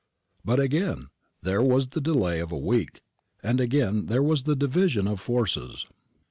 But again there was the delay of a week, and again there was the division of forces.